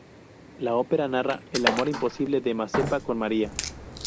La ópera narra el amor imposible de Mazepa con María.